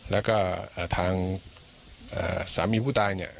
แล้วก็ทางสามีผู้ตายเนี่ย